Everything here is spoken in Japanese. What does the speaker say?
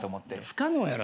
不可能やろ。